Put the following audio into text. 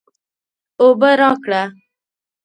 اوبه راکړه